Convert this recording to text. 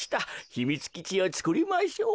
ひみつきちをつくりましょう。